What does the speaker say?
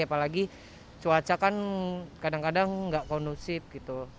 apalagi cuaca kan kadang kadang nggak kondusif gitu